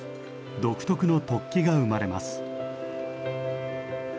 独特の突起が生まれます。